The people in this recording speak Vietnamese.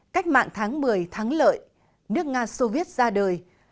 cách mạng tháng một mươi thắng lợi nước nga soviet ra đời